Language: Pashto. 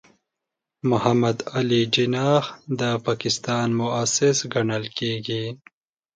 محمد علي جناح د پاکستان مؤسس ګڼل کېږي.